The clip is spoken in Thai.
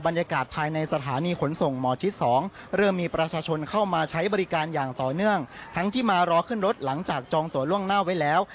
และอีกจำนวนมากที่เดินทางมาซื้อตั๋วที่จุดขายตั๋วก่อนเดินทาง